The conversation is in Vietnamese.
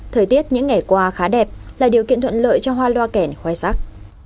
thời tiết những ngày qua khá đẹp là điều kiện thuận lợi cho hoa loa kèn khoai sắc